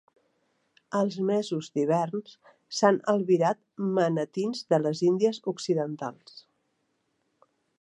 Als mesos d"hivern s"han albirat manatins de les índies occidentals.